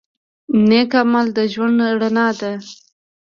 نیک عمل د ژوند رڼا ده.